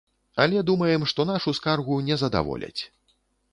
Але думаем, што нашу скаргу не задаволяць.